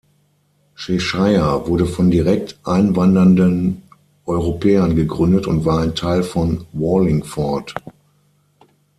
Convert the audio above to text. Cheshire wurde von direkt einwandernden Europäern gegründet und war ein Teil von Wallingford.